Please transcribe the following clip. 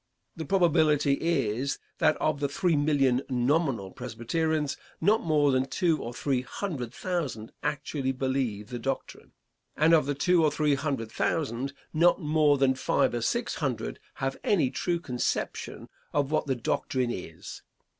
The probability is that of the three million nominal Presbyterians, not more than two or three hundred thousand actually believe the doctrine, and of the two or three hundred thousand, not more than five or six hundred have any true conception of what the doctrine is.